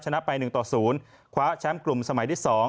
ชนะไป๑ต่อ๐คว้าแชมป์กลุ่มสมัยที่๒